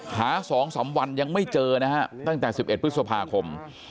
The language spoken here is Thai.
หา๒๓วันยังไม่เจอนะฮะตั้งแต่๑๑พฤษภาคม